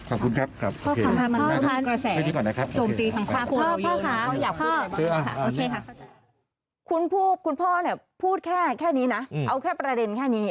ขอบคุณครับพูดแค่นี้นะเอาแค่ประเด็นแค่นี้